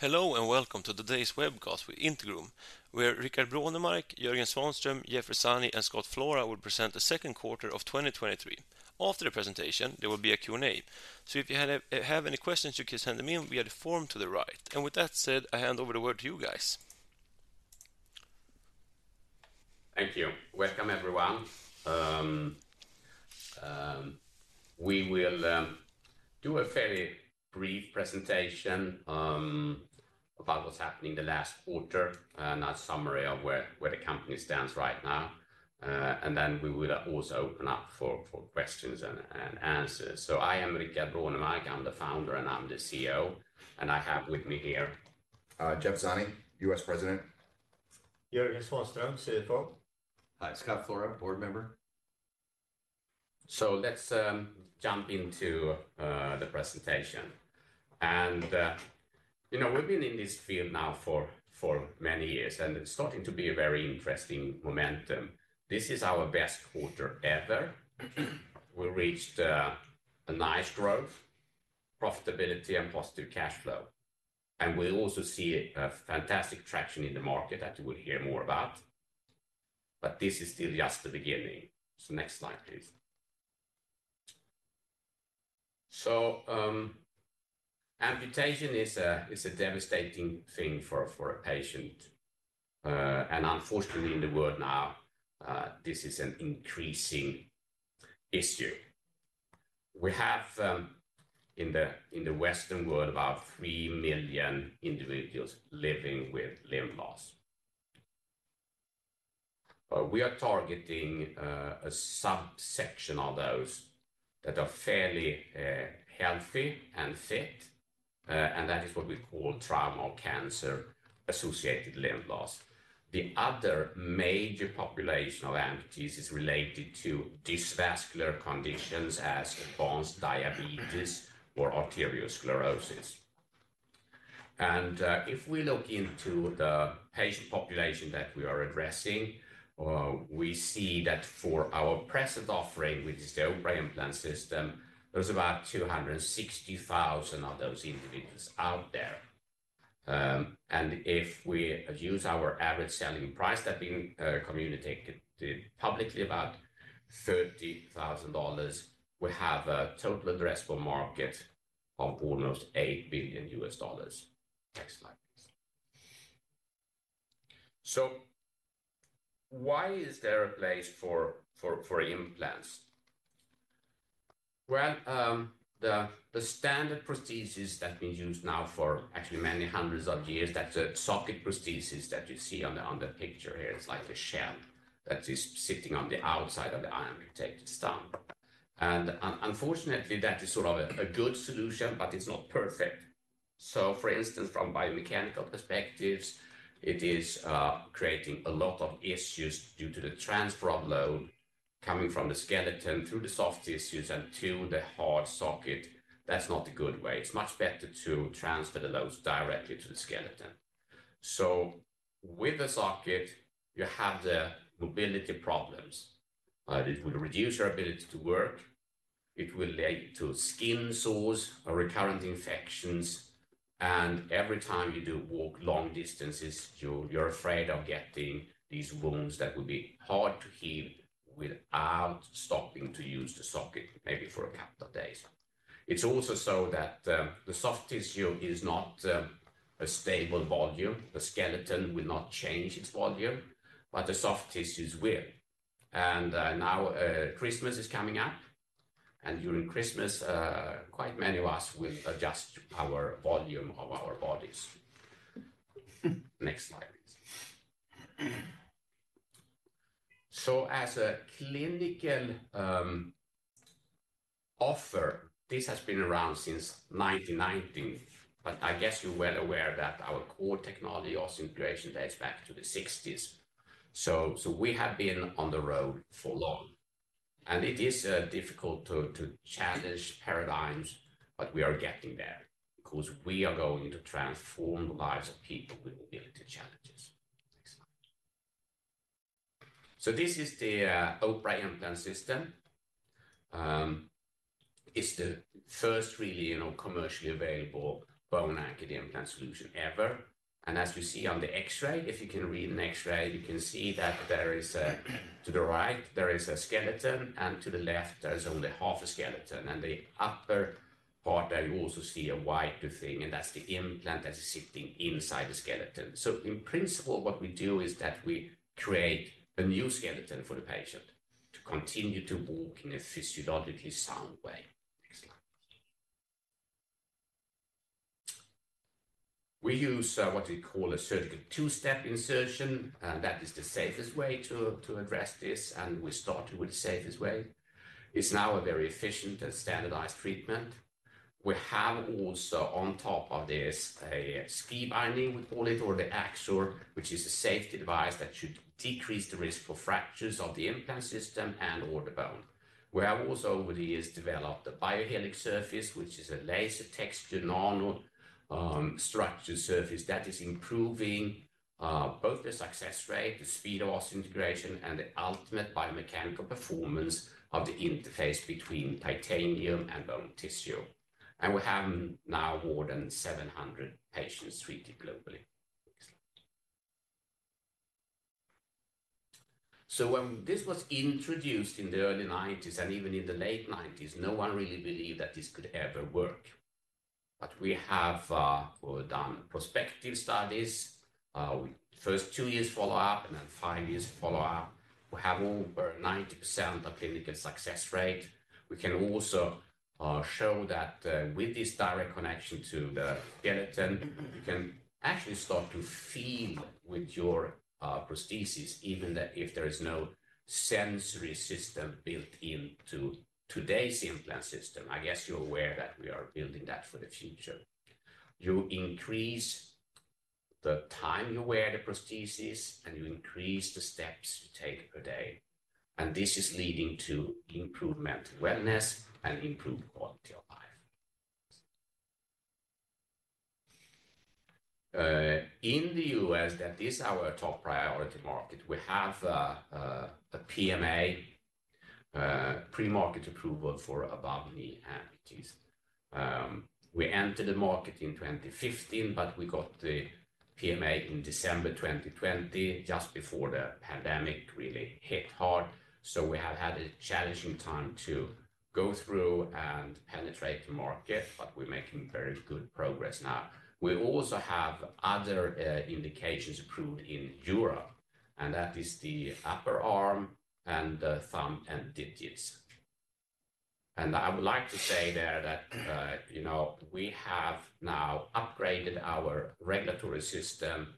Hello, and welcome to today's webcast with Integrum, where Rickard Brånemark, Jörgen Svanström, Jeffrey Zanni, and Scott Flora will present the second quarter of 2023. After the presentation, there will be a Q&A, so if you have any questions, you can send them in via the form to the right. With that said, I hand over the word to you guys. Thank you. Welcome, everyone. We will do a fairly brief presentation about what's happening in the last quarter, and a summary of where the company stands right now. And then we will also open up for questions and answers. I am Rickard Brånemark, I'm the founder, and I'm the CEO, and I have with me here? Jeffrey Zanni, U.S. President. Jörgen Svanström, CFO. Hi, Scott Flora, board member. So let's jump into the presentation. You know, we've been in this field now for many years, and it's starting to be a very interesting momentum. This is our best quarter ever. We reached a nice growth, profitability, and positive cash flow, and we also see a fantastic traction in the market that you will hear more about, but this is still just the beginning. So next slide, please. So, amputation is a devastating thing for a patient. Unfortunately, in the world now, this is an increasing issue. We have, in the Western world, about 3 million individuals living with limb loss. We are targeting a subsection of those that are fairly healthy and fit, and that is what we call trauma or cancer-associated limb loss. The other major population of amputees is related to dysvascular conditions as advanced diabetes or arteriosclerosis. And if we look into the patient population that we are addressing, we see that for our present offering, which is the OPRA Implant System, there's about 260,000 of those individuals out there. And if we use our average selling price that we communicated publicly, about $30,000, we have a total addressable market of almost $8 billion. Next slide, please. So why is there a place for implants? Well, the standard prosthesis that we use now for actually many hundreds of years, that's a socket prosthesis that you see on the picture here. It's like a shell that is sitting on the outside of the arm, it takes the stump. Unfortunately, that is sort of a good solution, but it's not perfect. So for instance, from biomechanical perspectives, it is creating a lot of issues due to the transfer of load coming from the skeleton through the soft tissues and to the hard socket. That's not a good way. It's much better to transfer the loads directly to the skeleton. So with the socket, you have the mobility problems. It will reduce your ability to work, it will lead to skin sores or recurrent infections, and every time you do walk long distances, you're afraid of getting these wounds that will be hard to heal without stopping to use the socket, maybe for a couple of days. It's also so that the soft tissue is not a stable volume. The skeleton will not change its volume, but the soft tissues will. And now Christmas is coming up, and during Christmas, quite many of us will adjust our volume of our bodies. Next slide, please. So, as a clinical offer, this has been around since 1919, but I guess you're well aware that our core technology, Osseointegration, dates back to the 1960s. So we have been on the road for long, and it is difficult to challenge paradigms, but we are getting there because we are going to transform the lives of people with mobility challenges. Next slide. So this is the OPRA Implant System. It's the first really, you know, commercially available bone-anchored implant solution ever. And as you see on the X-ray, if you can read an X-ray, you can see that to the right, there is a skeleton, and to the left, there is only half a skeleton. The upper part there, you also see a white thing, and that's the implant that's sitting inside the skeleton. So in principle, what we do is that we create a new skeleton for the patient to continue to walk in a physiologically sound way. Next slide. We use what we call a surgical two-step insertion, and that is the safest way to address this, and we start with the safest way. It's now a very efficient and standardized treatment. We have also, on top of this, a ski binding, we call it, or the Axor, which is a safety device that should decrease the risk for fractures of the implant system and/or the bone. We have also, over the years, developed a BioHelix surface, which is a laser-textured nanostructure surface that is improving both the success rate, the speed of osseointegration, and the ultimate biomechanical performance of the interface between titanium and bone tissue. We have now more than 700 patients treated globally. Next slide. When this was introduced in the early 1990s, and even in the late 1990s, no one really believed that this could ever work. But we have, well, done prospective studies with first two years follow-up and then five years follow-up. We have over 90% clinical success rate. We can also show that with this direct connection to the skeleton, you can actually start to feel with your prosthesis, even that if there is no sensory system built into today's implant system. I guess you're aware that we are building that for the future. You increase the time you wear the prosthesis, and you increase the steps you take per day, and this is leading to improved mental wellness and improved quality of life. In the U.S., that is our top priority market. We have a PMA, Pre-Market Approval, for above-knee amputees. We entered the market in 2015, but we got the PMA in December 2020, just before the pandemic really hit hard. So we have had a challenging time to go through and penetrate the market, but we're making very good progress now. We also have other indications approved in Europe, and that is the upper arm and the thumb and digits. I would like to say there that, you know, we have now upgraded our regulatory system,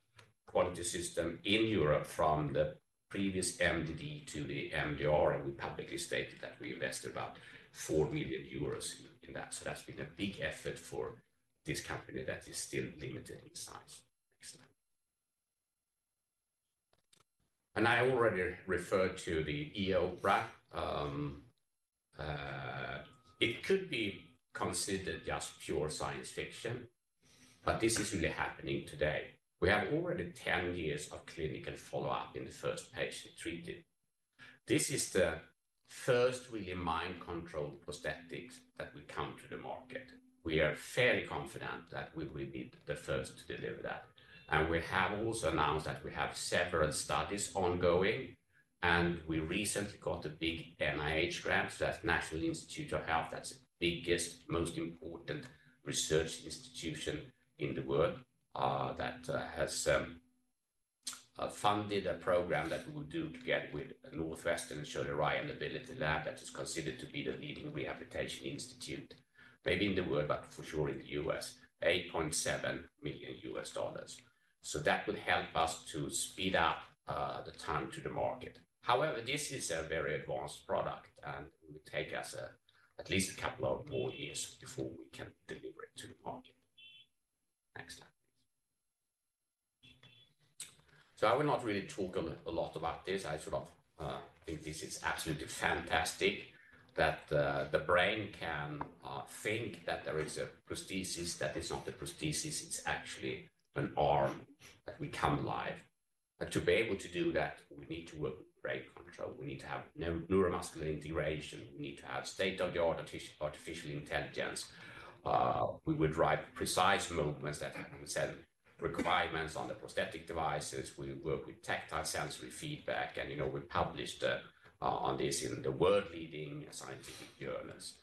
quality system in Europe from the previous MDD to the MDR, and we publicly stated that we invested about 4 million euros in that. So that's been a big effort for this company that is still limited in size. Next slide. I already referred to the e-OPRA. It could be considered just pure science fiction, but this is really happening today. We have already 10 years of clinical follow-up in the first patient treated. This is the first really mind-controlled prosthetics that will come to the market. We are fairly confident that we will be the first to deliver that. And we have also announced that we have separate studies ongoing, and we recently got a big NIH grant, so that's National Institutes of Health. That's the biggest, most important research institution in the world that has funded a program that we will do together with Northwestern Shirley Ryan AbilityLab, that is considered to be the leading rehabilitation institute, maybe in the world, but for sure in the U.S. $8.7 million. So that will help us to speed up the time to the market. However, this is a very advanced product, and it will take us at least a couple of more years before we can deliver it to the market. Next slide, please. So I will not really talk a lot about this. I sort of think this is absolutely fantastic that the brain can think that there is a prosthesis that is not a prosthesis, it's actually an arm that we come live. But to be able to do that, we need to work brain control. We need to have neuromuscular integration. We need to have state-of-the-art artificial intelligence. We would write precise movements that have certain requirements on the prosthetic devices. We work with tactile sensory feedback, and, you know, we published on this in the world-leading scientific journals.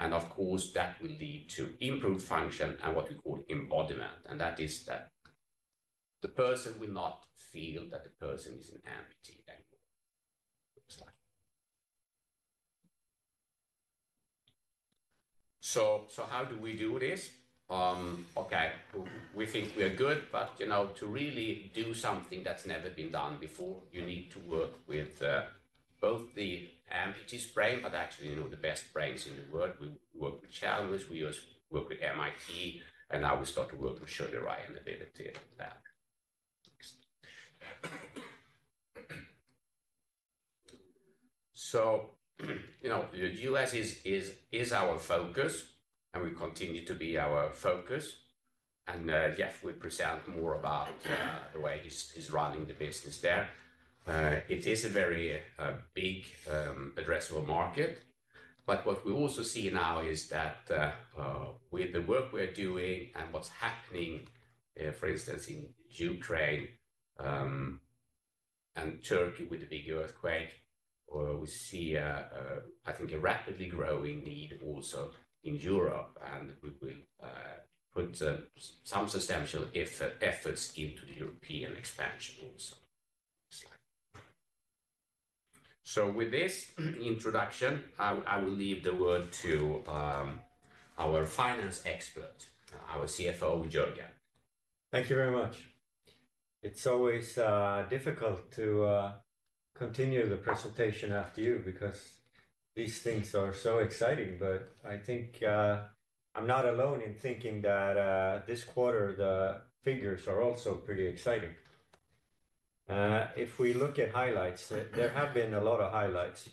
And of course, that will lead to improved function and what we call embodiment, and that is that the person will not feel that the person is an amputee anymore. Next slide. So how do we do this? Okay, we think we are good, but, you know, to really do something that's never been done before, you need to work with both the amputee's brain, but actually, you know, the best brains in the world. We work with challenges. We also work with MIT, and now we start to work with Shirley Ryan AbilityLab. So, you know, the U.S. is our focus, and will continue to be our focus. And, Jeff will present more about the way he's running the business there. It is a very big addressable market. But what we also see now is that, with the work we're doing and what's happening, for instance, in Ukraine, and Turkey with the big earthquake, we see, I think, a rapidly growing need also in Europe, and we will put some substantial efforts into the European expansion also. Next slide. So with this introduction, I will leave the word to our finance expert, our CFO, Jörgen. Thank you very much. It's always, difficult to, continue the presentation after you because these things are so exciting. But I think, I'm not alone in thinking that, this quarter, the figures are also pretty exciting... If we look at highlights, there have been a lot of highlights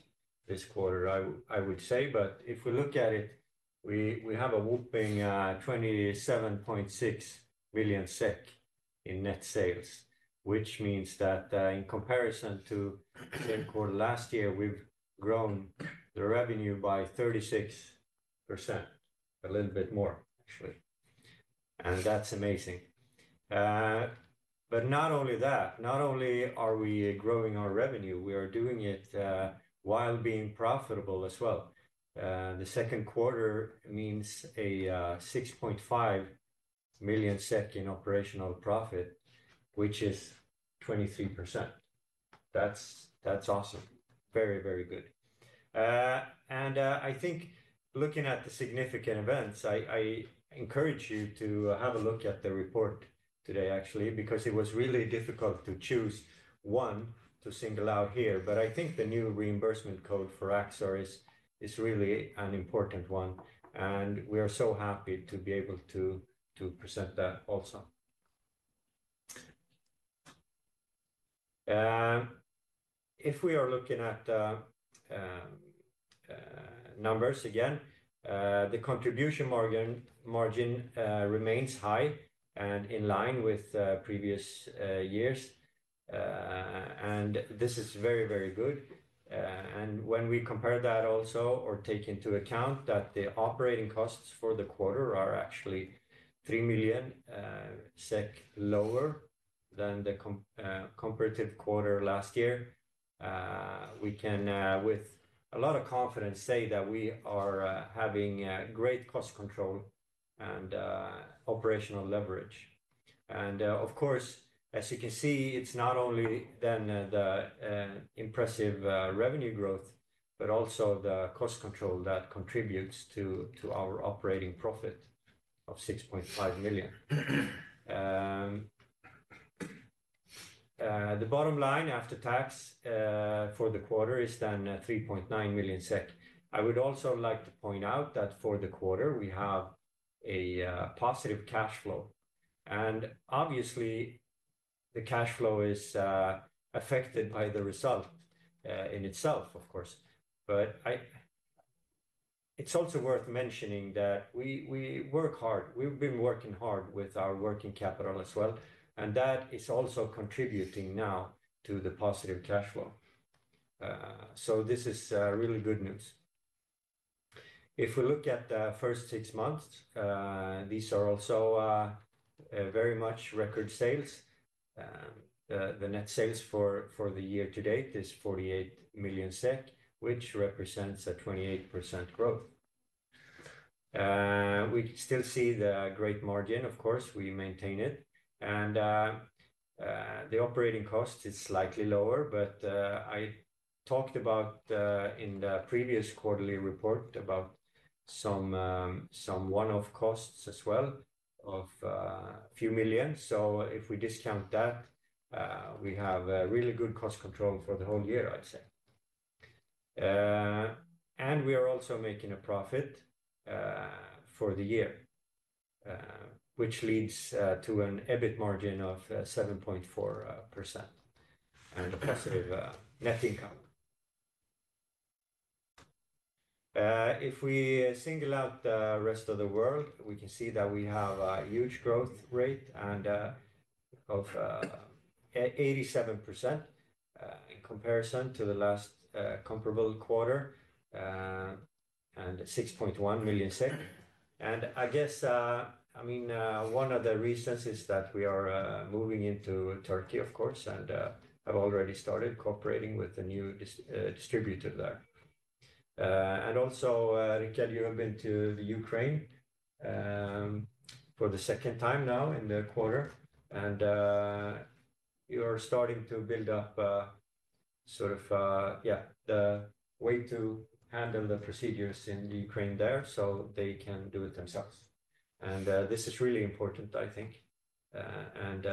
this quarter, I would say. But if we look at it, we have a whopping 27.6 million SEK in net sales, which means that, in comparison to the same quarter last year, we've grown the revenue by 36%, a little bit more actually. And that's amazing. But not only that, not only are we growing our revenue, we are doing it, while being profitable as well. The second quarter means a 6.5 million in operational profit, which is 23%. That's, that's awesome. Very, very good. And, I think looking at the significant events, I encourage you to have a look at the report today, actually, because it was really difficult to choose one to single out here. But I think the new reimbursement code for Axor is really an important one, and we are so happy to be able to present that also. If we are looking at numbers, again, the contribution margin remains high and in line with previous years. And this is very, very good. And when we compare that also, or take into account that the operating costs for the quarter are actually 3 million SEK lower than the comparative quarter last year, we can, with a lot of confidence, say that we are having great cost control and operational leverage. And, of course, as you can see, it's not only then the impressive revenue growth, but also the cost control that contributes to our operating profit of 6.5 million. The bottom line after tax for the quarter is then 3.9 million SEK. I would also like to point out that for the quarter, we have a positive cash flow, and obviously, the cash flow is affected by the result in itself, of course. But it's also worth mentioning that we work hard. We've been working hard with our working capital as well, and that is also contributing now to the positive cash flow. So this is really good news. If we look at the first six months, these are also very much record sales. The net sales for the year to date is 48 million SEK, which represents a 28% growth. We still see the great margin, of course, we maintain it, and the operating cost is slightly lower, but I talked about in the previous quarterly report about some some one-off costs as well of a few million. So if we discount that, we have a really good cost control for the whole year, I'd say. And we are also making a profit for the year, which leads to an EBIT margin of 7.4% and a positive net income. If we single out the rest of the world, we can see that we have a huge growth rate of 87% in comparison to the last comparable quarter and 6.1 million SEK. And I guess, I mean, one of the reasons is that we are moving into Turkey, of course, and have already started cooperating with the new distributor there. And also, Rickard, you have been to the Ukraine, for the second time now in the quarter, and, you're starting to build up, sort of, yeah, the way to handle the procedures in the Ukraine there, so they can do it themselves. And, this is really important, I think, and,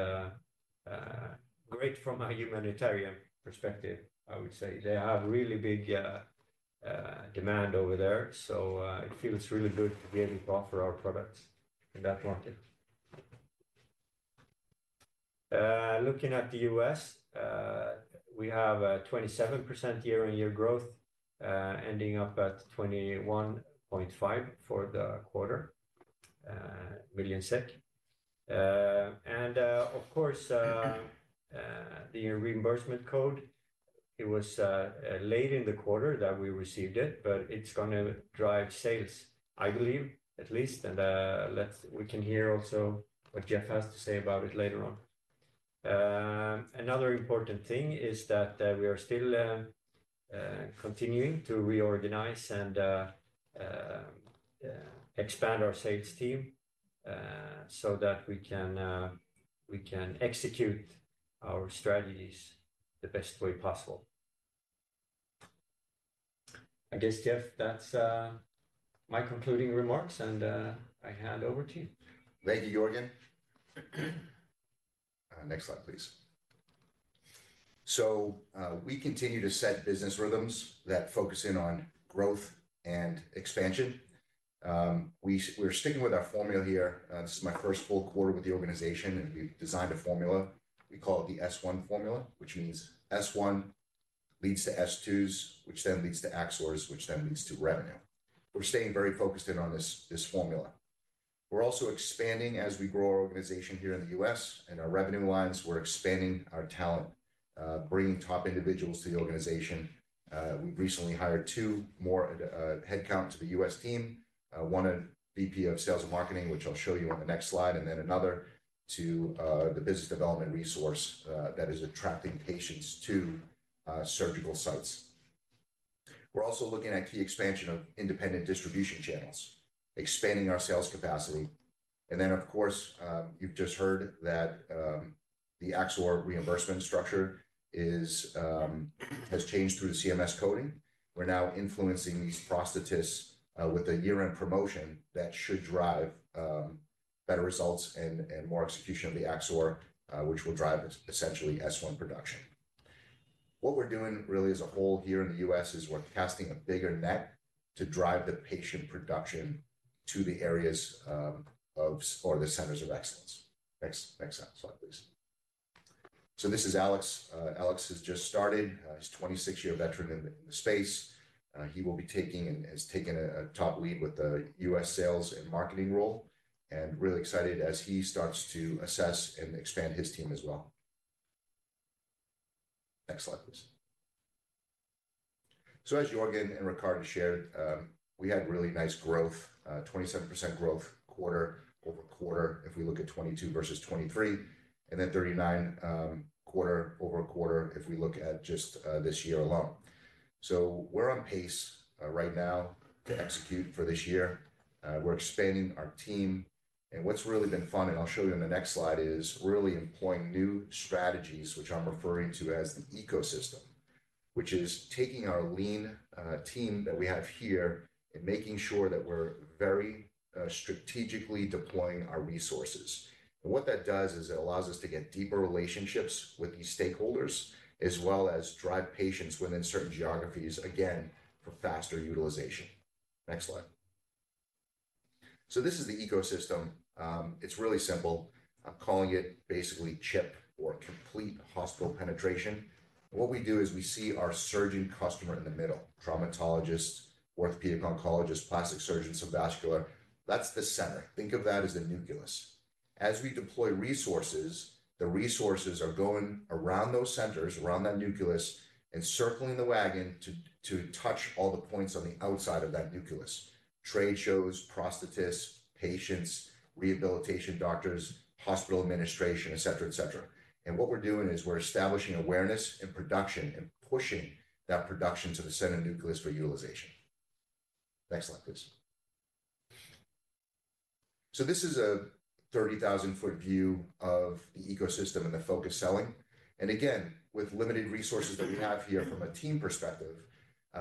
great from a humanitarian perspective, I would say. They have really big, demand over there, so, it feels really good to be able to offer our products in that market. Looking at the U.S., we have a 27% year-on-year growth, ending up at 21.5 million for the quarter. And, of course, the reimbursement code, it was, late in the quarter that we received it, but it's gonna drive sales, I believe, at least. And, we can hear also what Jeff has to say about it later on. Another important thing is that we are still continuing to reorganize and expand our sales team so that we can, we can execute our strategies the best way possible. I guess, Jeff, that's my concluding remarks, and I hand over to you. Thank you, Jörgen. Next slide, please. So, we continue to set business rhythms that focus in on growth and expansion. We're sticking with our formula here. This is my first full quarter with the organization, and we've designed a formula. We call it the S1 formula, which means S1 leads to S2s, which then leads to Axors, which then leads to revenue. We're staying very focused in on this, this formula. We're also expanding as we grow our organization here in the U.S., and our revenue lines, we're expanding our talent, bringing top individuals to the organization. We recently hired two more head count to the U.S. team, one a VP of sales and marketing, which I'll show you on the next slide, and then another to, the business development resource, that is attracting patients to, surgical sites. We're also looking at key expansion of independent distribution channels, expanding our sales capacity, and then, of course, you've just heard that the Axor reimbursement structure has changed through the CMS coding. We're now influencing these prosthetists with a year-end promotion that should drive better results and more execution of the Axor, which will drive essentially S1 production. What we're doing really as a whole here in the U.S. is we're casting a bigger net to drive the patient production to the areas of or the centers of excellence. Next, next slide, please. So this is Alex. Alex has just started. He's a 26-year veteran in the space. He will be taking, and has taken a top lead with the U.S. sales and marketing role, and really excited as he starts to assess and expand his team as well. Next slide, please. So as Jörgen and Rickard shared, we had really nice growth, 27% growth, quarter-over-quarter, if we look at 2022 versus 2023, and then 39%, quarter-over-quarter, if we look at just this year alone. So we're on pace right now to execute for this year. We're expanding our team, and what's really been fun, and I'll show you in the next slide, is we're really employing new strategies, which I'm referring to as the ecosystem, which is taking our lean team that we have here and making sure that we're very strategically deploying our resources. What that does is it allows us to get deeper relationships with these stakeholders, as well as drive patients within certain geographies, again, for faster utilization. Next slide. This is the ecosystem. It's really simple. I'm calling it basically CHP, or Complete Hospital Penetration. What we do is we see our surgeon customer in the middle, traumatologist, orthopedic oncologist, plastic surgeon, some vascular. That's the center. Think of that as the nucleus. As we deploy resources, the resources are going around those centers, around that nucleus, encircling the wagon to touch all the points on the outside of that nucleus. Trade shows, prosthetists, patients, rehabilitation doctors, hospital administration, et cetera, et cetera. What we're doing is we're establishing awareness and production, and pushing that production to the center nucleus for utilization. Next slide, please. So this is a 30,000-foot view of the ecosystem and the focused selling. And again, with limited resources that we have here from a team perspective,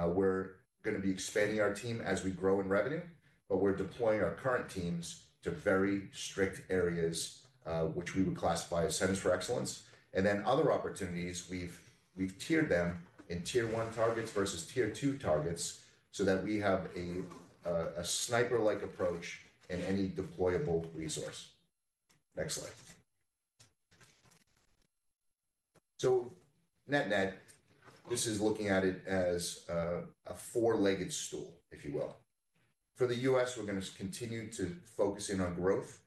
we're gonna be expanding our team as we grow in revenue, but we're deploying our current teams to very strict areas, which we would classify as centers for excellence. And then other opportunities, we've tiered them in Tier 1 targets versus Tier 2 targets, so that we have a sniper-like approach in any deployable resource. Next slide. So net-net, this is looking at it as a four-legged stool, if you will. For the U.S., we're gonna continue to focus in on growth,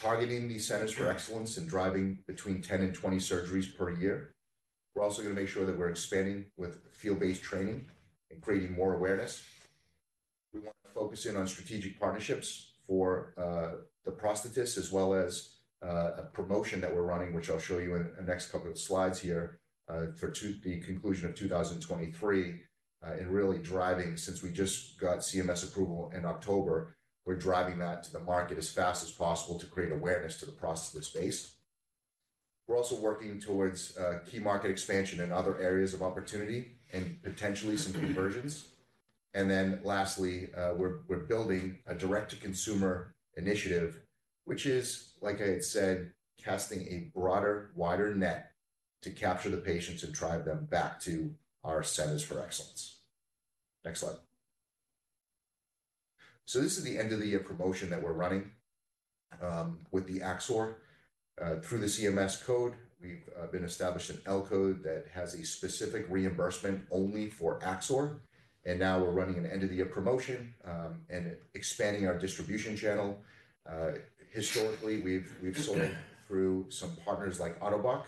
targeting these centers for excellence and driving between 10 and 20 surgeries per year. We're also gonna make sure that we're expanding with field-based training and creating more awareness. We want to focus in on strategic partnerships for the prosthetists, as well as a promotion that we're running, which I'll show you in the next couple of slides here, for the conclusion of 2023. And really driving, since we just got CMS approval in October, we're driving that to the market as fast as possible to create awareness to the prosthetist space. We're also working towards key market expansion in other areas of opportunity and potentially some conversions. And then lastly, we're building a direct-to-consumer initiative, which is, like I had said, casting a broader, wider net to capture the patients and drive them back to our centers for excellence. Next slide. So this is the end of the year promotion that we're running with the Axor. Through the CMS code, we've been established an L code that has a specific reimbursement only for Axor, and now we're running an end-of-the-year promotion, and expanding our distribution channel. Historically, we've sold through some partners like Ottobock,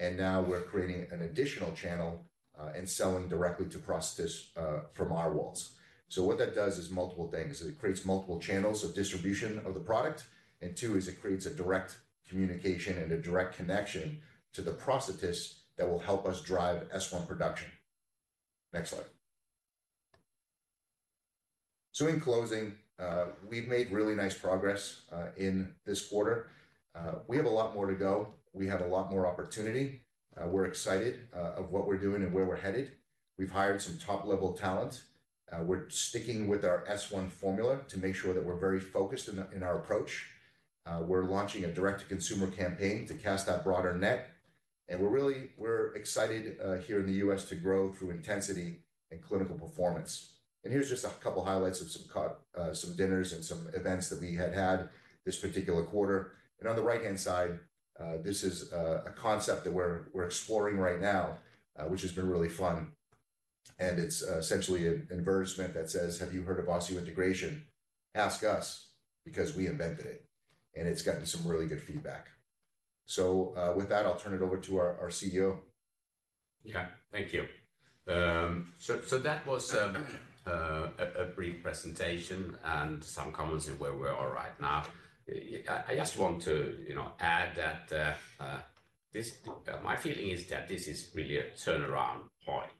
and now we're creating an additional channel, and selling directly to prosthetists, from our walls. So what that does is multiple things. It creates multiple channels of distribution of the product, and two, is it creates a direct communication and a direct connection to the prosthetists that will help us drive S1 production. Next slide. So in closing, we've made really nice progress in this quarter. We have a lot more to go. We have a lot more opportunity. We're excited of what we're doing and where we're headed. We've hired some top-level talent. We're sticking with our S1 formula to make sure that we're very focused in our approach. We're launching a direct-to-consumer campaign to cast that broader net, and we're really excited here in the U.S. to grow through intensity and clinical performance. Here's just a couple highlights of some dinners and some events that we had this particular quarter. On the right-hand side, this is a concept that we're exploring right now, which has been really fun. It's essentially an advertisement that says, "Have you heard of Osseointegration? Ask us, because we invented it." It's gotten some really good feedback. With that, I'll turn it over to our CEO. Yeah. Thank you. So that was a brief presentation and some comments on where we are right now. I just want to, you know, add that this, my feeling is that this is really a turnaround point.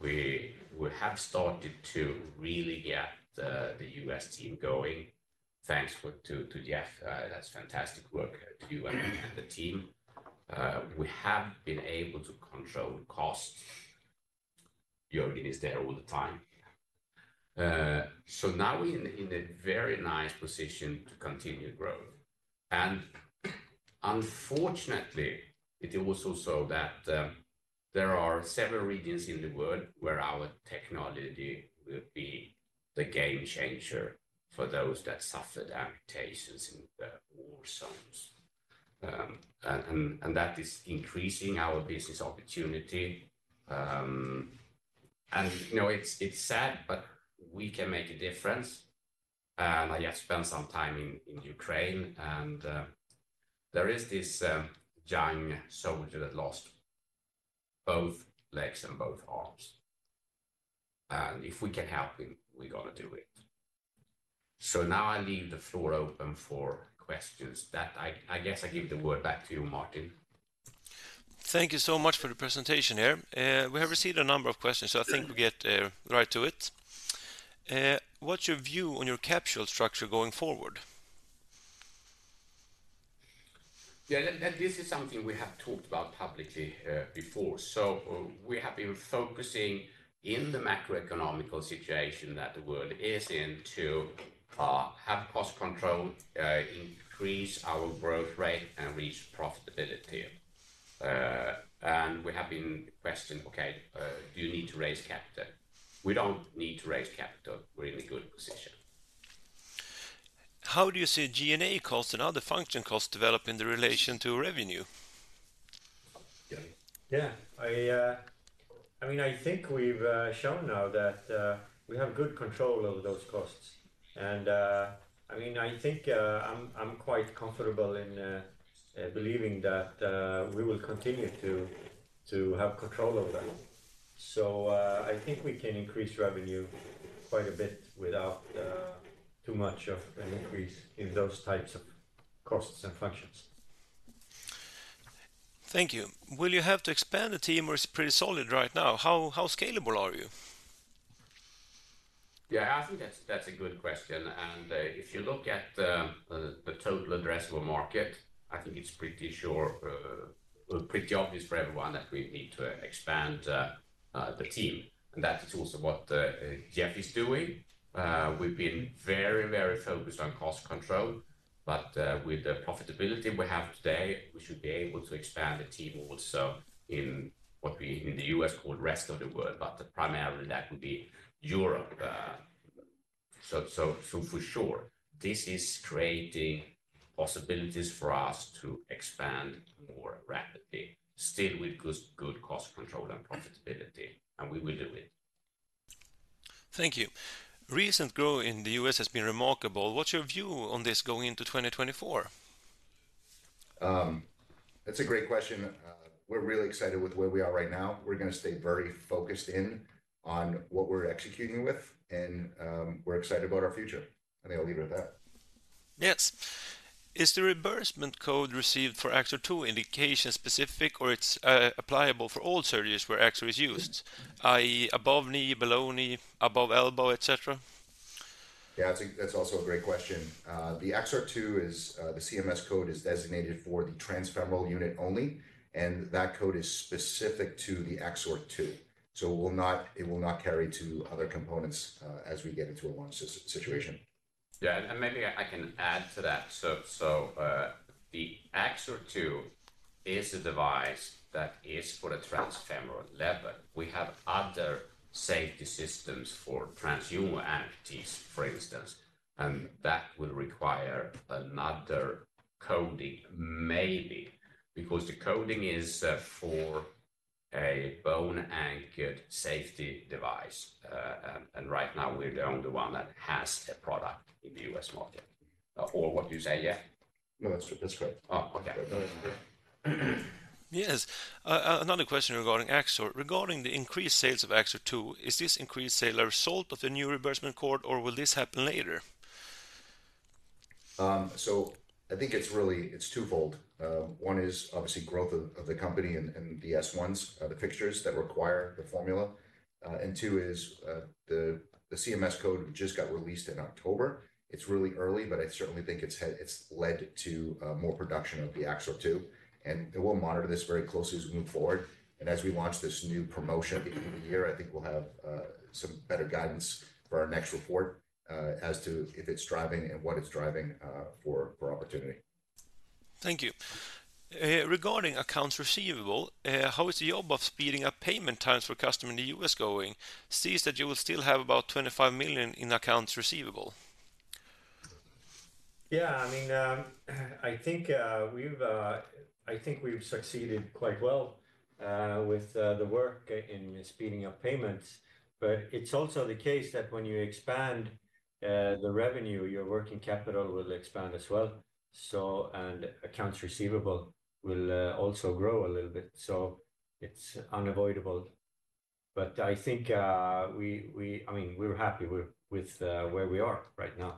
We have started to really get the U.S. team going. Thanks to Jeff. That's fantastic work to you and the team. We have been able to control costs. Jörgen is there all the time. So now we're in a very nice position to continue growing. And unfortunately, it is also so that there are several regions in the world where our technology will be the game changer for those that suffered amputations in the war zones. And that is increasing our business opportunity. You know, it's sad, but we can make a difference. I have spent some time in Ukraine, and there is this young soldier that lost both legs and both arms, and if we can help him, we're gonna do it. So now I leave the floor open for questions. I guess I give the word back to you, Martin. Thank you so much for the presentation here. We have received a number of questions, so I think we get right to it. What's your view on your capital structure going forward? Yeah, and, and this is something we have talked about publicly, before. So, we have been focusing in the macroeconomic situation that the world is in, to, have cost control, increase our growth rate, and reach profitability. And we have been questioned, "Okay, do you need to raise capital?" We don't need to raise capital. We're in a good position. How do you see G&A costs and other function costs develop in the relation to revenue? Jörgen? Yeah, I mean, I think we've shown now that we have good control over those costs. And, I mean, I think, I'm quite comfortable in believing that we will continue to have control over them. So, I think we can increase revenue quite a bit without too much of an increase in those types of costs and functions. Thank you. Will you have to expand the team, or it's pretty solid right now? How scalable are you? Yeah, I think that's a good question, and if you look at the total addressable market, I think it's pretty sure, well, pretty obvious for everyone that we need to expand the team, and that is also what Jeff is doing. We've been very, very focused on cost control, but with the profitability we have today, we should be able to expand the team also in what we in the U.S. call rest of the world, but primarily that will be Europe. So, for sure, this is creating possibilities for us to expand more rapidly, still with good, good cost control and profitability, and we will do it. Thank you. Recent growth in the U.S. has been remarkable. What's your view on this going into 2024? That's a great question. We're really excited with where we are right now. We're gonna stay very focused in on what we're executing with, and, we're excited about our future. I think I'll leave it at that. Yes. Is the reimbursement code received for Axor II indication specific, or it's applicable for all surgeries where Axor is used, i.e., above knee, below knee, above elbow, et cetera? Yeah, I think that's also a great question. The Axor II is the CMS code is designated for the transfemoral unit only, and that code is specific to the Axor II, so it will not, it will not carry to other components, as we get into a one sis- situation. Yeah, and maybe I can add to that. So, the Axor II is a device that is for the transfemoral level. We have other safety systems for transhumeral amputees, for instance, and that would require another coding, maybe, because the coding is for a bone-anchored safety device. And right now, we're the only one that has a product in the U.S. market. Or what do you say, Jeff? No, that's, that's correct. Oh, okay. That is correct. Yes. Another question regarding Axor. Regarding the increased sales of Axor II, is this increased sale a result of the new reimbursement code, or will this happen later? So I think it's really, it's twofold. One is obviously growth of the company and, and the S1s, the fixtures that require the formula. And two is, the CMS code just got released in October. It's really early, but I certainly think it's led to, more production of the Axor II, and we'll monitor this very closely as we move forward. And as we launch this new promotion in the year, I think we'll have, some better guidance for our next report, as to if it's driving and what it's driving for opportunity. Thank you. Regarding accounts receivable, how is the job of speeding up payment times for customers in the U.S. going, seeing that you will still have about 25 million in accounts receivable? Yeah, I mean, I think we've succeeded quite well with the work in speeding up payments. But it's also the case that when you expand the revenue, your working capital will expand as well. So accounts receivable will also grow a little bit, so it's unavoidable. But I think, I mean, we're happy with where we are right now.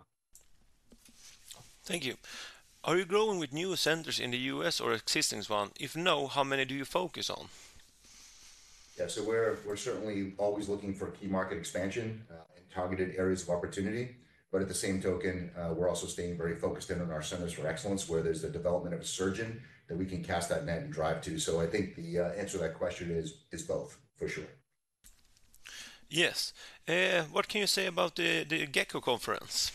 Thank you. Are you growing with new centers in the U.S. or existing ones? If no, how many do you focus on? Yeah, so we're certainly always looking for key market expansion in targeted areas of opportunity. But at the same token, we're also staying very focused in on our centers for excellence, where there's the development of a surgeon that we can cast that net and drive to. So I think the answer to that question is both, for sure. Yes. What can you say the GCCO conference?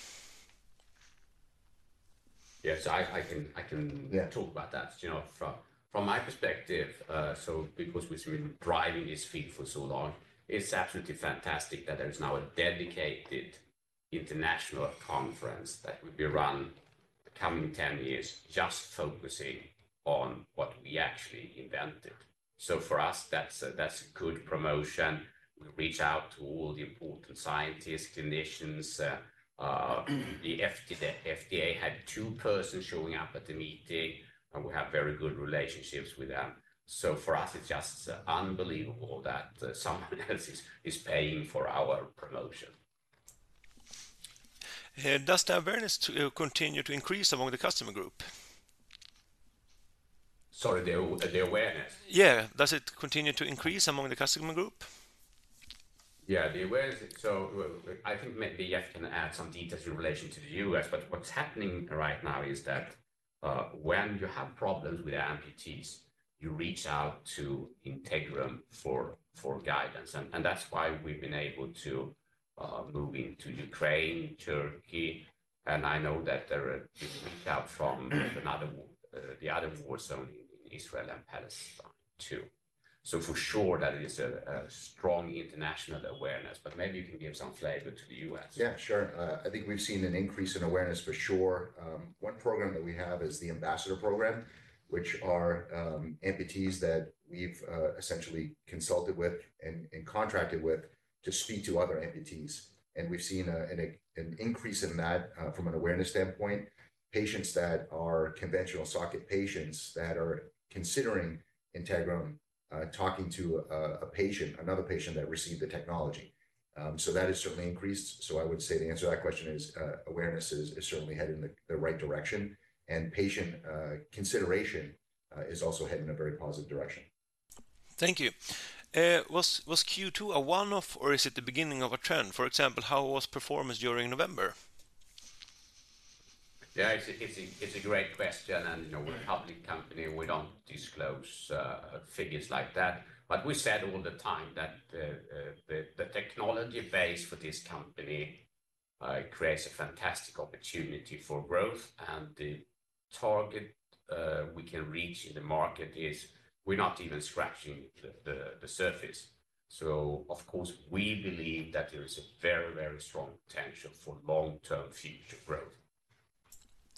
Yes, I can talk about that. You know, from my perspective, so because we've been driving this field for so long, it's absolutely fantastic that there is now a dedicated international conference that will be run the coming 10 years, just focusing on what we actually invented. So for us, that's a good promotion. We reach out to all the important scientists, clinicians, the FDA had two persons showing up at the meeting, and we have very good relationships with them. So for us, it's just unbelievable that someone else is paying for our promotion. Does the awareness to continue to increase among the customer group? Sorry, the awareness? Yeah. Does it continue to increase among the customer group? Yeah, the awareness. So I think maybe Jeff can add some details in relation to the U.S., but what's happening right now is that, when you have problems with amputees, you reach out to Integrum for guidance. And that's why we've been able to move into Ukraine, Turkey, and I know that there are reach outs from the other war zone in Israel and Palestine, too. So for sure, that is a strong international awareness, but maybe you can give some flavor to the U.S. Yeah, sure. I think we've seen an increase in awareness for sure. One program that we have is the ambassador program, which are amputees that we've essentially consulted with and contracted with to speak to other amputees. And we've seen an increase in that from an awareness standpoint. Patients that are conventional socket patients that are considering Integrum talking to another patient that received the technology. So that has certainly increased. So I would say the answer to that question is awareness is certainly headed in the right direction, and patient consideration is also heading in a very positive direction. Thank you. Was Q2 a one-off, or is it the beginning of a trend? For example, how was performance during November? Yeah, it's a great question, and, you know, we're a public company, we don't disclose figures like that. But we said all the time that the technology base for this company creates a fantastic opportunity for growth. And the target we can reach in the market is we're not even scratching the surface. So of course, we believe that there is a very, very strong potential for long-term future growth.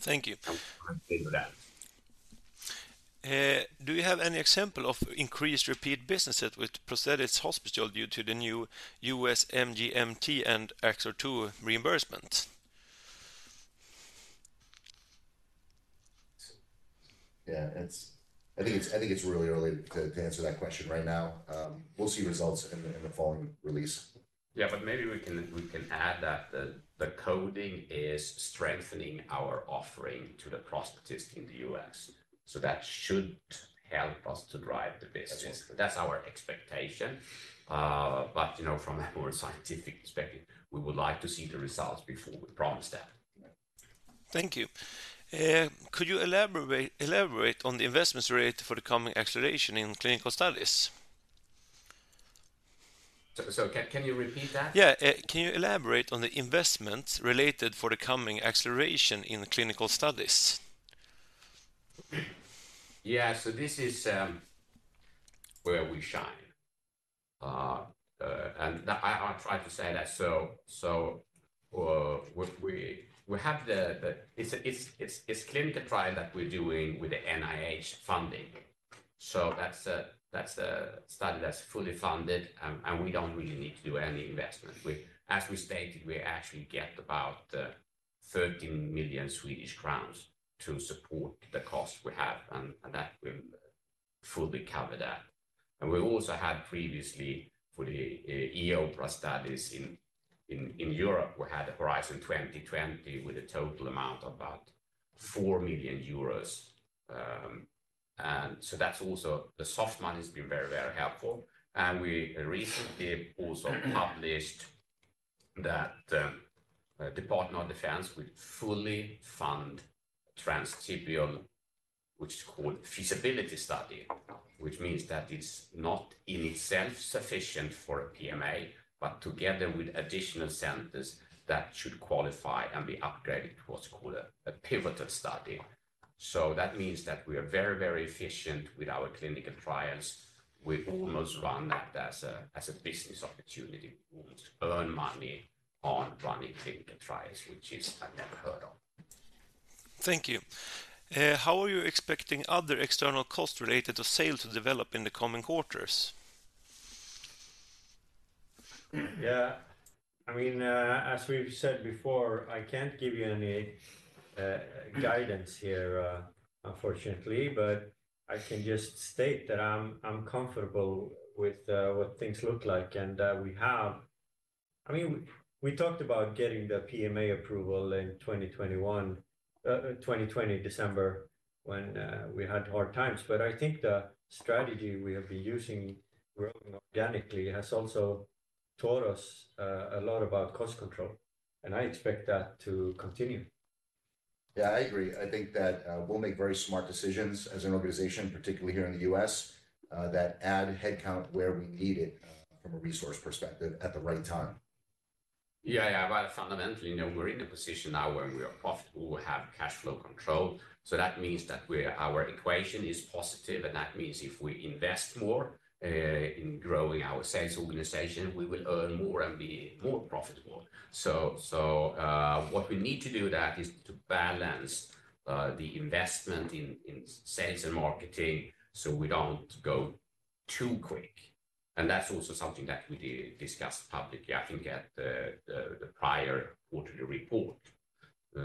Thank you. Thank you for that. Do you have any example of increased repeat businesses with prosthetics hospital due to the new U.S. CMS and Axor II reimbursement? Yeah, I think it's really early to answer that question right now. We'll see results in the following release. Yeah, but maybe we can add that the coding is strengthening our offering to the prosthetist in the U.S., so that should help us to drive the business. Absolutely. That's our expectation. But, you know, from a more scientific perspective, we would like to see the results before we promise that. Thank you. Could you elaborate on the investments rate for the coming acceleration in clinical studies? So, can you repeat that? Yeah, can you elaborate on the investments related for the coming acceleration in clinical studies? Yeah. So this is where we shine. And I'll try to say that. So what we have the, it's a clinical trial that we're doing with the NIH funding. So that's a study that's fully funded, and we don't really need to do any investment. As we stated, we actually get about 13 million Swedish crowns to support the cost we have, and that will fully cover that. And we also had previously, for the e-OPRA studies in Europe, we had a Horizon 2020 with a total amount of about 4 million euros. And so that's also, the soft money has been very, very helpful. We recently also published that Department of Defense will fully fund transtibial, which is called feasibility study, which means that it's not in itself sufficient for a PMA, but together with additional centers, that should qualify and be upgraded to what's called a pivotal study. That means that we are very, very efficient with our clinical trials. We almost run that as a business opportunity to earn money on running clinical trials, which is I've never heard of. Thank you. How are you expecting other external costs related to sales to develop in the coming quarters? Yeah, I mean, as we've said before, I can't give you any guidance here, unfortunately, but I can just state that I'm comfortable with what things look like. And we have, I mean, we talked about getting the PMA approval in 2021, 2020, December, when we had hard times. But I think the strategy we have been using, growing organically, has also taught us a lot about cost control, and I expect that to continue. Yeah, I agree. I think that we'll make very smart decisions as an organization, particularly here in the U.S., that add headcount where we need it, from a resource perspective at the right time. Yeah, yeah. But fundamentally, you know, we're in a position now where we are profitable, we have cash flow control. So that means that our equation is positive, and that means if we invest more in growing our sales organization, we will earn more and be more profitable. So, what we need to do that is to balance the investment in sales and marketing, so we don't go too quick. And that's also something that we did discuss publicly, I think, at the prior quarterly report.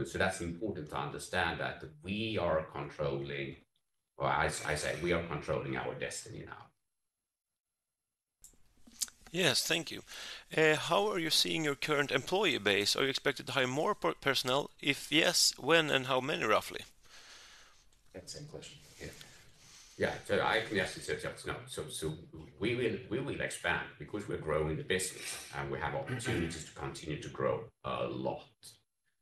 So that's important to understand that we are controlling, or as I say, we are controlling our destiny now. Yes, thank you. How are you seeing your current employee base? Are you expected to hire more personnel? If yes, when and how many, roughly? That same question. Yeah. Yeah, so I can actually say yes, no. So we will expand because we're growing the business, and we have opportunities to continue to grow a lot.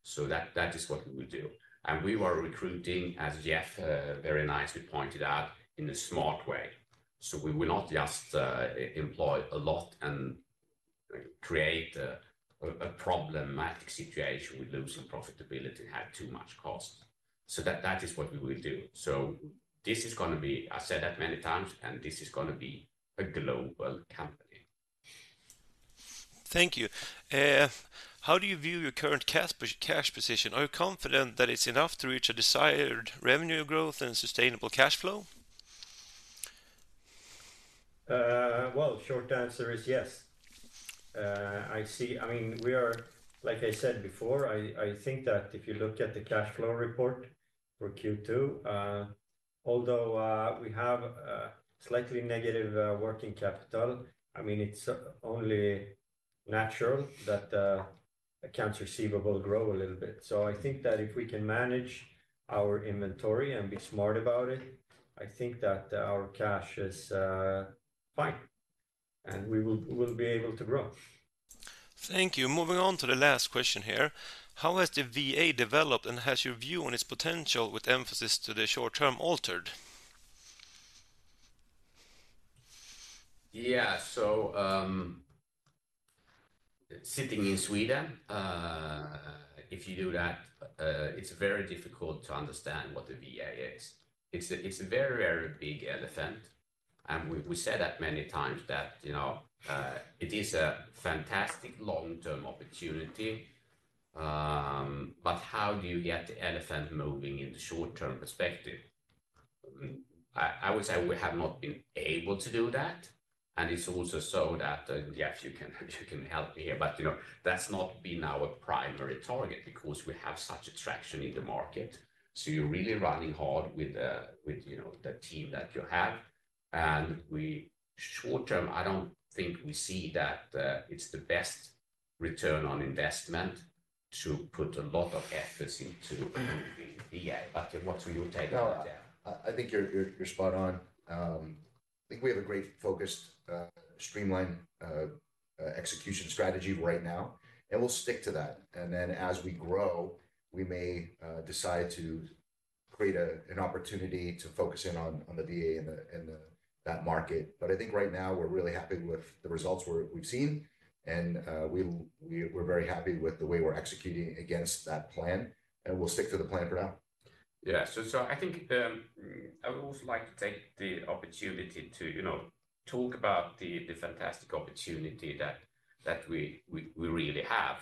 So that is what we will do. And we are recruiting, as Jeff very nicely pointed out, in a smart way. So we will not just employ a lot and create a problematic situation with losing profitability and have too much cost. So that is what we will do. So this is gonna be, I said that many times, and this is gonna be a global company. Thank you. How do you view your current cash position? Are you confident that it's enough to reach a desired revenue growth and sustainable cash flow? Well, short answer is yes. I see... I mean, we are, like I said before, I think that if you look at the cash flow report for Q2, although we have a slightly negative working capital, I mean, it's only natural that accounts receivable grow a little bit. So I think that if we can manage our inventory and be smart about it, I think that our cash is fine, and we'll be able to grow. Thank you. Moving on to the last question here. How has the VA developed, and has your view on its potential, with emphasis to the short term, altered? Yeah. So, sitting in Sweden, if you do that, it's very difficult to understand what the VA is. It's a very, very big elephant, and we said that many times that, you know, it is a fantastic long-term opportunity. But how do you get the elephant moving in the short-term perspective? I would say we have not been able to do that, and it's also so that, Jeff, you can help me here, but, you know, that's not been our primary target because we have such attraction in the market. So you're really running hard with, you know, the team that you have. And short term, I don't think we see that, it's the best return on investment to put a lot of efforts into the VA. But what's your take on that, Jeff? No, I think you're spot on. I think we have a great focused streamlined execution strategy right now, and we'll stick to that. And then as we grow, we may decide to create an opportunity to focus in on the VA and in that market. But I think right now, we're really happy with the results we've seen, and we're very happy with the way we're executing against that plan, and we'll stick to the plan for now. Yeah. So I think I would also like to take the opportunity to, you know, talk about the fantastic opportunity that we really have,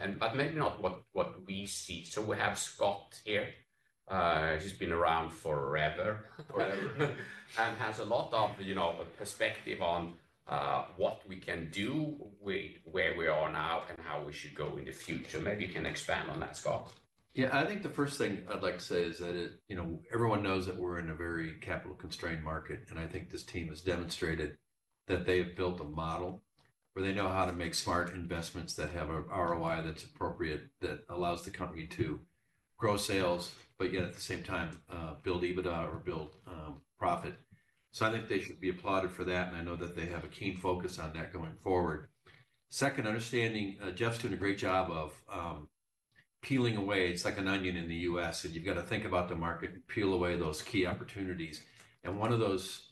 and but maybe not what we see. So we have Scott here, he's been around forever and has a lot of, you know, perspective on what we can do, where we are now, and how we should go in the future. Maybe you can expand on that, Scott. Yeah. I think the first thing I'd like to say is that, you know, everyone knows that we're in a very capital-constrained market, and I think this team has demonstrated that they have built a model where they know how to make smart investments that have a ROI that's appropriate, that allows the company to grow sales, but yet at the same time, build EBITDA or build profit. So I think they should be applauded for that, and I know that they have a keen focus on that going forward. Second, understanding, Jeff's doing a great job of peeling away. It's like an onion in the U.S., and you've got to think about the market, peel away those key opportunities. And one of those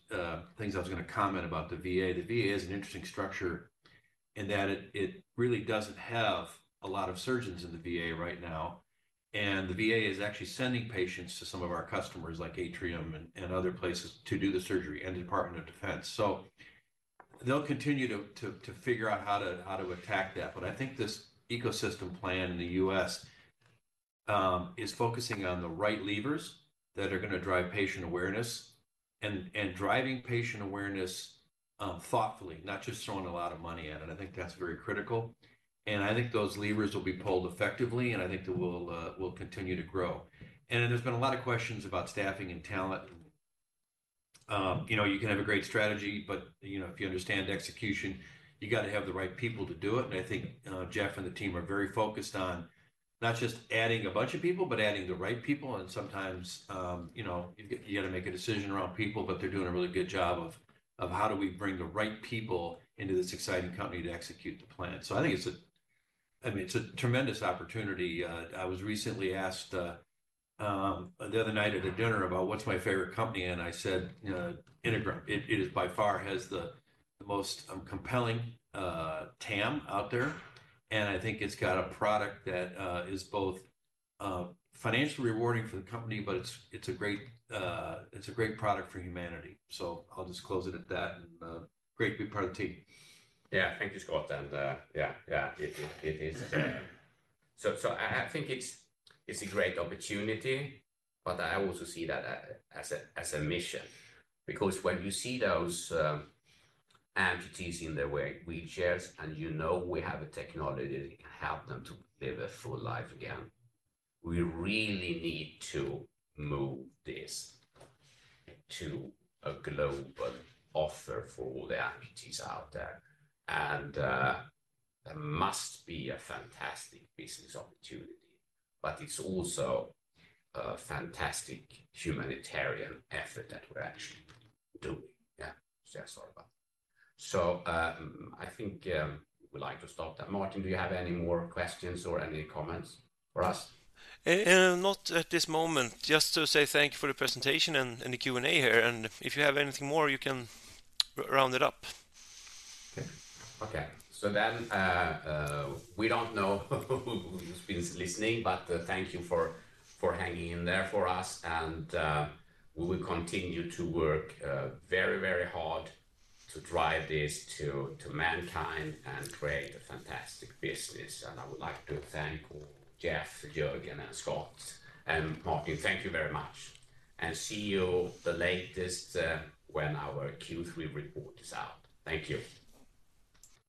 things I was going to comment about the VA. The VA is an interesting structure and that it really doesn't have a lot of surgeons in the VA right now, and the VA is actually sending patients to some of our customers, like Atrium and other places, to do the surgery, and the Department of Defense. So they'll continue to figure out how to attack that. But I think this ecosystem plan in the U.S. is focusing on the right levers that are gonna drive patient awareness and driving patient awareness thoughtfully, not just throwing a lot of money at it. I think that's very critical, and I think those levers will be pulled effectively, and I think they will continue to grow. And there's been a lot of questions about staffing and talent. You know, you can have a great strategy, but, you know, if you understand execution, you got to have the right people to do it. And I think, Jeff and the team are very focused on not just adding a bunch of people, but adding the right people. And sometimes, you know, you got to make a decision around people, but they're doing a really good job of how do we bring the right people into this exciting company to execute the plan. So I think it's a, I mean, it's a tremendous opportunity. I was recently asked the other night at a dinner about what's my favorite company, and I said, Integrum. It is by far has the most compelling TAM out there, and I think it's got a product that is both financially rewarding for the company, but it's a great product for humanity. So I'll just close it at that, and great to be part of the team. Yeah. Thank you, Scott. Yeah, yeah, it is. So I think it's a great opportunity, but I also see that as a mission, because when you see those amputees in their wheelchairs and you know we have a technology that can help them to live a full life again, we really need to move this to a global offer for all the amputees out there. And that must be a fantastic business opportunity, but it's also a fantastic humanitarian effort that we're actually doing. Yeah, so sorry about that. So I think we'd like to stop there. Martin, do you have any more questions or any comments for us? Not at this moment. Just to say thank you for the presentation and the Q&A here, and if you have anything more, you can round it up. Okay. Okay. So then, we don't know who's been listening, but thank you for hanging in there for us, and we will continue to work very, very hard to drive this to mankind and create a fantastic business. And I would like to thank Jeff, Jörgen, and Scott. And Martin, thank you very much, and see you the latest, when our Q3 report is out. Thank you.